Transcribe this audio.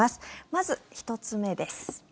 まず、１つ目です。